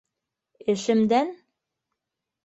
Эшемдән?